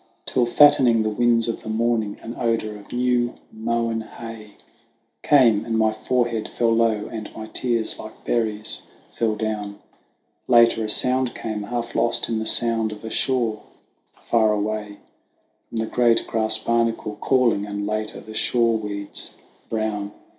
Till fattening the winds of the morning, an odour of new mown hay Came, and my forehead fell low, and my tears like berries fell down ; Later a sound came, half lost in the sound of a shore far away, From the great grass barnacle calling, and later the shore weeds brown.